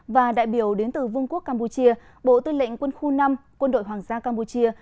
và đại biểu đến từ vương quốc campuchia bộ tư lệnh quân khu năm quân đội hoàng gia campuchia